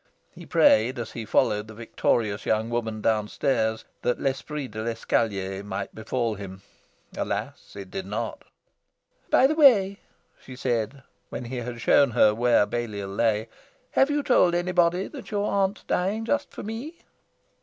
He prayed, as he followed the victorious young woman downstairs, that l'esprit de l'escalier might befall him. Alas, it did not. "By the way," she said, when he had shown her where Balliol lay, "have you told anybody that you aren't dying just for me?"